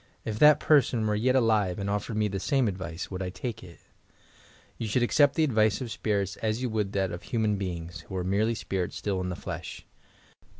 If that person were yet alive and offered me the same advice, would I take itf" You should accept the advice of spirits as you wonid that of human beings, who are merely spirits still in the 6esh.